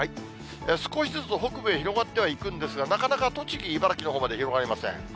少しずつ北部へ広がってはいくんですが、なかなか栃木、茨城のほうまで広がりません。